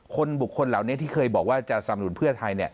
คนบุคคลเหล่านี้ที่เคยบอกว่าจะสำนุนเพื่อไทย